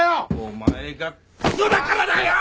お前がくそだからだよ！